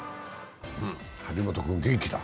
張本君、元気だ。